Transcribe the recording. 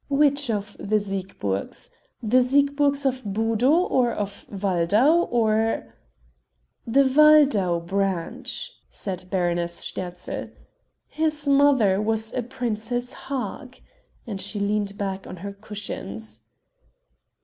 "Which of the Siegburgs? The Siegburgs of Budow, or of Waldau, or ...?" "The Waldau branch," said Baroness Sterzl. "His mother was a Princess Hag," and she leaned back on her cushions.